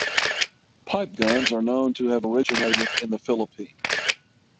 Pipe guns are known to have originated in the Philippines.